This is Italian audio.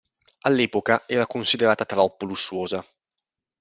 All'epoca era considerata troppo lussuosa.